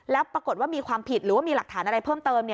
แล้วปรากฏว่ามีความผิดหรือว่ามีหลักฐานอะไรเพิ่มเติม